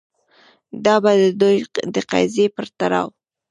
دا به د دوی د قضیې په تړاو